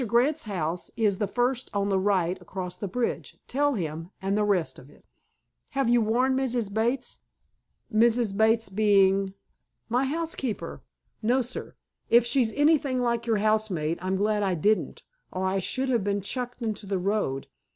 Grant's house is the first on the right across the bridge. Tell him'—and the rest of it." "Have you warned Mrs. Bates?" "Mrs. Bates being?" "My housekeeper." "No, sir. If she's anything like your housemaid, I'm glad I didn't, or I should have been chucked into the road.